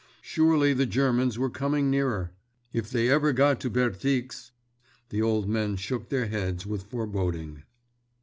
Surely the Germans were coming nearer! If they ever got to Bertrix—The old men shook their heads with foreboding.